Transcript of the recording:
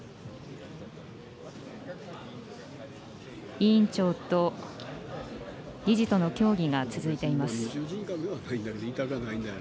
委員長と理事との協議が続いています。